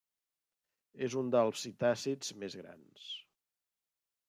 És un dels psitàcids més grans.